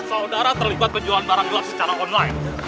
saudara terlibat penjualan barang gelas secara online